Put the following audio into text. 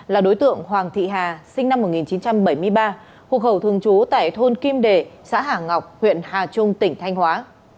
là đối tượng hoàng thị hà sinh năm một nghìn chín trăm bảy mươi ba hộ khẩu thường trú tại thôn kim đề xã hà ngọc huyện hà trung tỉnh thanh hóa